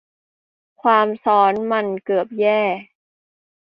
ความซัอนมันเกือบแย่